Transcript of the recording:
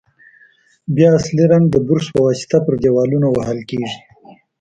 بیا اصلي رنګ د برش په واسطه پر دېوالونو وهل کیږي.